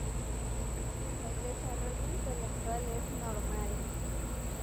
El desarrollo intelectual es normal.